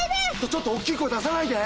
ちょっと大きい声出さないで！